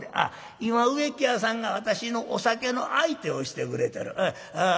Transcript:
「今植木屋さんが私のお酒の相手をしてくれてる。